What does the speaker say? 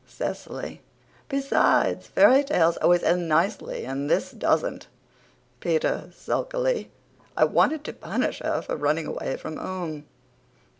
CECILY: "Besides, fairy tales always end nicely and this doesn't." PETER, SULKILY: "I wanted to punish her for running away from home."